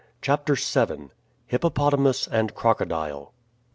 CHAPTER VII. HIPPOPOTAMUS AND CROCODILE.